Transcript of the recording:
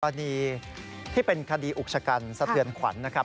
คดีที่เป็นคดีอุกชะกันสะเทือนขวัญนะครับ